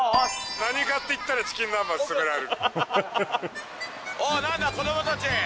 何かっていったらチキン南蛮勧められる。